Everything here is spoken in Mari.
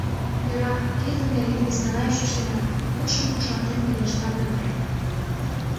— Йӧра, тидын нерген вескана ӱчашена, — мутшым кошартен, пелешта Пӧтыр.